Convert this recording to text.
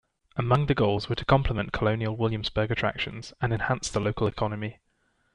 Among the goals were to complement Colonial Williamsburg attractions and enhance the local economy.